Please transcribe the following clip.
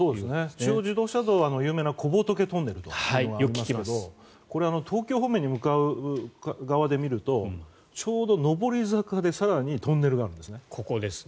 中央自動車道は有名な小仏トンネルというのがありますけどこれ、東京方面に向かう側で見ると、ちょうど上り坂でここですね。